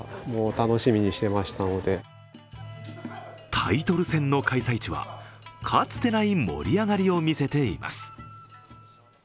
タイトル戦の開催地は、かつてない盛り上がりを見せています。